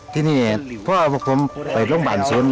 ที่นี่พ่อพวกผมไปโรงพยาบาลศูนย์